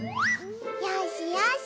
よしよし。